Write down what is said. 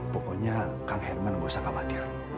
pokoknya kang herman nggak usah khawatir